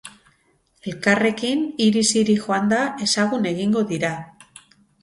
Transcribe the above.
Elkarrekin, hiriz hiri joanda, ezagun egingo dira.